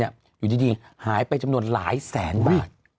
อยู่ดีหายไปจำนวนหลายแสนบาท